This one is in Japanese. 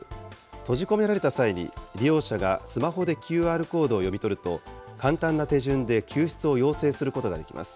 閉じ込められた際に、利用者がスマホでＱＲコードを読み取ると、簡単な手順で救出を要請することができます。